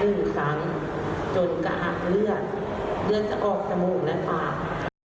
ผึ้งซ้ำจนกระหักเลือดเลือดจะออกสมองและพลาด